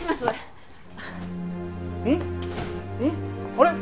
あれ？